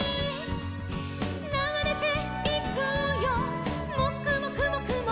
「ながれていくよもくもくもくも」